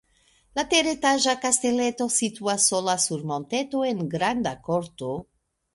La teretaĝa kasteleto situas sola sur monteto en granda korto.